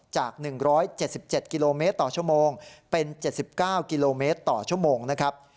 จาก๑๗๗กิโลเมตรต่อชั่วโมงเป็น๗๙กิโลเมตรต่อชั่วโมงนะครับ